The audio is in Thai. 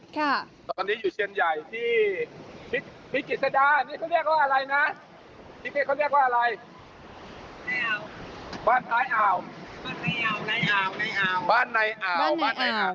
บ้านในอ่าวบ้านในอ่าวค่ะ